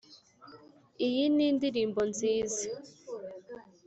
iyo ni ndirimbo nziza.